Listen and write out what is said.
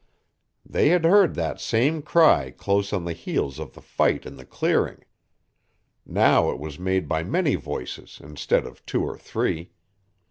They had heard that same cry close on the heels of the fight in the clearing. Now it was made by many voices instead of two or three.